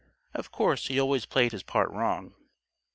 Of course, he always played his part wrong.